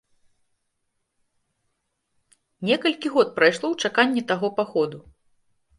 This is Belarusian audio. Некалькі год прайшло ў чаканні таго паходу.